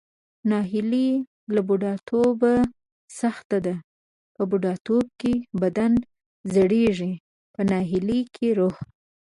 ناهیلي له بوډاتوب سخته ده، په بوډاتوب کې بدن زړیږي پۀ ناهیلۍ کې روح.